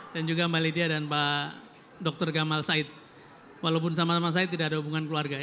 dan juga mbak lydia dan mbak dr gamal said walaupun sama sama said tidak ada hubungan keluarga ya